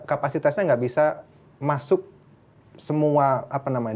kapasitasnya nggak bisa masuk semua apa namanya